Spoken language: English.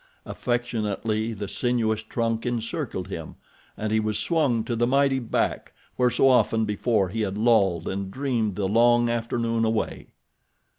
Affectionately the sinuous trunk encircled him, and he was swung to the mighty back where so often before he had lolled and dreamed the long afternoon away.